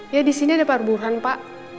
ya di sini ada pak rubuhan pak